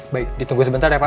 baik ditunggu sebentar ya pak